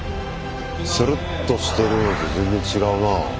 つるっとしてるのと全然違うなぁ。